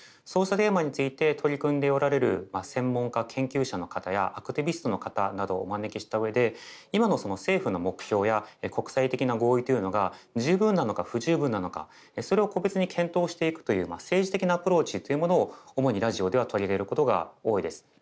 そうしたテーマについて取り組んでおられるまあ専門家研究者の方やアクティビストの方などをお招きしたうえで今の政府の目標や国際的な合意というのが十分なのか不十分なのかそれを個別に検討していくという政治的なアプローチというものを主にラジオでは取り入れることが多いです。